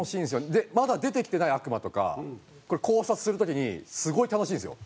でまだ出てきてない悪魔とかこれ考察する時にすごい楽しいんですよ。